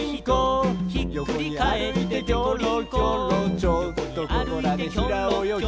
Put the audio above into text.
「ちょっとここらでひらおよぎ」